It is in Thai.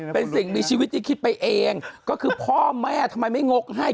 เป็นสิ่งมีชีวิตที่คิดไปเองก็คือพ่อแม่ทำไมไม่งกให้